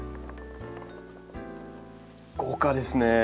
豪華ですね。